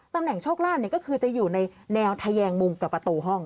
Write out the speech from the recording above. แหนโชคลาภก็คือจะอยู่ในแนวทะแยงมุมกับประตูห้อง